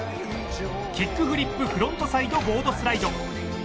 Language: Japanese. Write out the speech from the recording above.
キックフリップフロントサイドボードスライド。